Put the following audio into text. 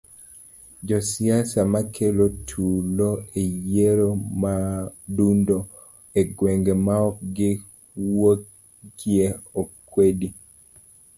Josiasa makelo tulo eyiero maadundo egwenge maok giwuoge okwedi.